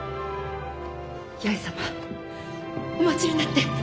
弥江様お待ちになって！